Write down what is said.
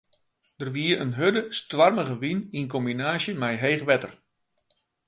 Der wie in hurde, stoarmige wyn yn kombinaasje mei heech wetter.